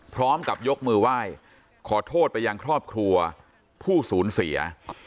พร้อมกับยกมือไหว้ขอโทษไปยังครอบครัวผู้สูญเสีย